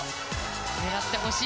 狙ってほしい。